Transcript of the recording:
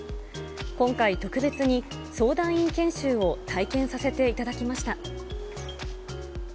今回、特別に相談員研修を体験させていただきました。